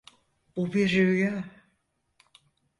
Bu bir rüya.